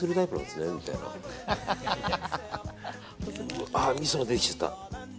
うわ、みそが出てきちゃった。